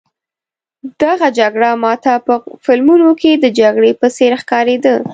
دغه جګړه ما ته په فلمونو کې د جګړې په څېر ښکارېده.